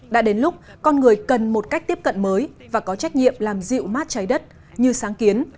đã đến lúc con người cần một cách tiếp cận mới và có trách nhiệm làm dịu mát trái đất như sáng kiến